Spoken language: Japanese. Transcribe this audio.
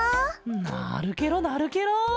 なるケロなるケロ！